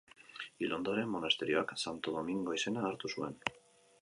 Hil ondoren, monasterioak Santo Domingo izena hartu zuen.